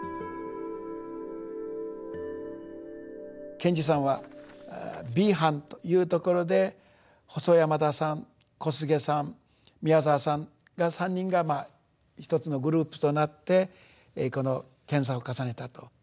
賢治さんはＢ班というところで細山田さん小菅さん宮沢さんが３人が１つのグループとなってこの研さんを重ねたと。